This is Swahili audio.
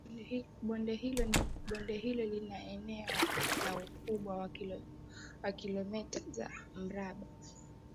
Bonde hilo lina eneo la ukubwa wa kilometa za mraba